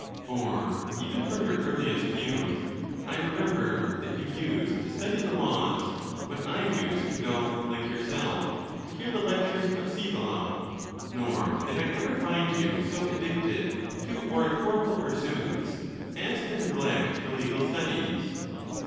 For even from your earliest youth, I remember that you used to study the laws, when I used to go, like yourself, to hear the lectures of Sczvola; nor did I ever find you so addicted to oratorical pursuits as to neglect your legal studies.